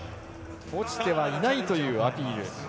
落ちてはいないというアピール。